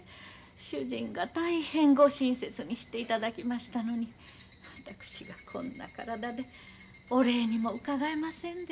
主人が大変ご親切にしていただきましたのに私がこんな体でお礼にも伺えませんで。